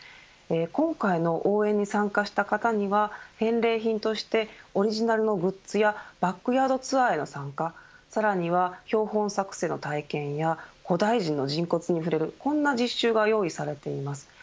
今回の応援に参加した方には返礼品としてオリジナルのグッズやバックヤードツアーへの参加さらには標本作製の体験や古代人の人骨に触れるそんな実習が用意されています。